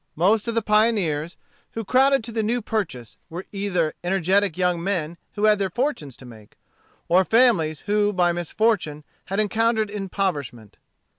Most of the pioneers who crowded to the New Purchase were either energetic young men who had their fortunes to make, or families who by misfortune had encountered impoverishment.